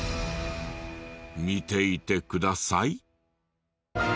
見ていてください。